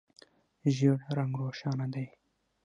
ژېړ رنګ روښانه دی.